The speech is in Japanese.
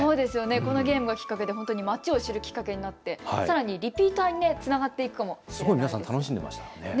このゲームがきっかけで街を知るきっかけになってさらにリピーターにつながっていくかもしれないですね。